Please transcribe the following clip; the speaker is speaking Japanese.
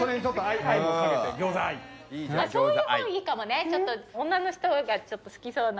そういうほういいかもね女の人が好きそうな。